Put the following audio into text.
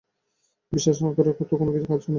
বিশ্বাস না-করার তো কিছু নাই।